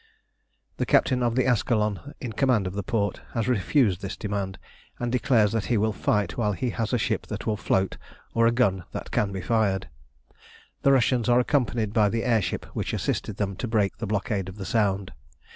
The captain of the Ascalon, in command of the port, has refused this demand, and declares that he will fight while he has a ship that will float or a gun that can be fired. The Russians are accompanied by the air ship which assisted them to break the blockade of the Sound.